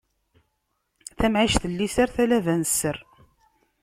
Tamɛict n liser, talaba n sser.